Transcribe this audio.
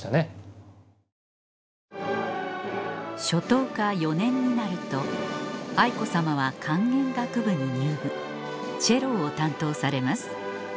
初等科４年になると愛子さまは管弦楽部に入部チェロを担当されます